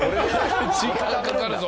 時間かかるぞ。